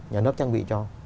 nhà nước trang bị cho